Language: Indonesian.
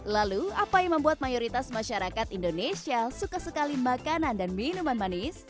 lalu apa yang membuat mayoritas masyarakat indonesia suka sekali makanan dan minuman manis